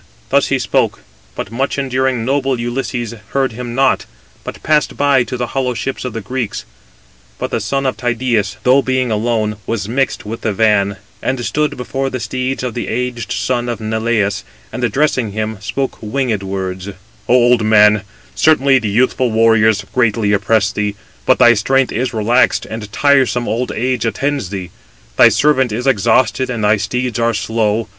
Thus he spoke: but much enduring, noble Ulysses heard him not, but passed by to the hollow ships of the Greeks. But the son of Tydeus, though being alone, was mixed with the van, and stood before the steeds of the aged son of Neleus, and addressing him, spoke winged words: "O old man, certainly the youthful warriors greatly oppress thee: but thy strength is relaxed, and tiresome old age attends thee: thy servant is exhausted, and thy steeds are slow.